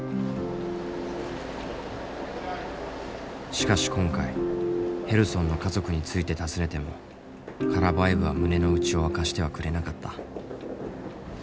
しかし今回ヘルソンの家族について尋ねてもカラヴァエヴは胸の内を明かしてはくれなかった。